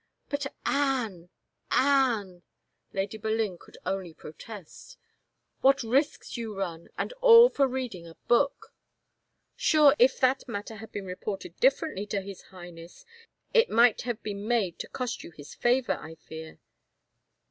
" But, Anne — Anne —!" Lady Boleyn could only pro test, " what risks you run — and all for reading a book ! 170 IN HEVER CASTLE . Sure, if that matter had been reported differently to his Highness, it might have been made to cost you his favor, I fear."